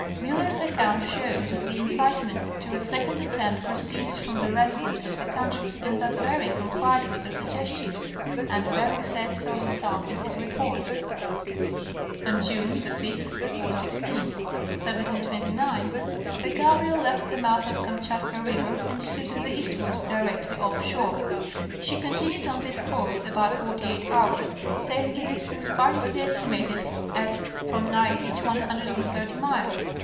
Miiller's account shows that the incitement to a second attempt proceeded from the resi. dents of the country and that Bering complied with their suggestions ; and Bering says so himself in his report. On June* 5/16, 1729, the Gabriel left the mouth of the Kamchatka River and stood to the eastward, directly off shore. She continued on this course about forty eight hours, sailing a distance variously esti mated at from ninety to one hundred and thirty miles.